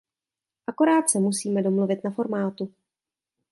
Akorát se musíme domluvit na formátu.